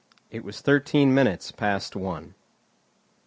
It was thirteen minutes past one.